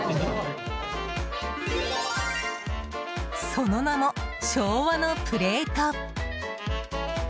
その名も、昭和のプレート。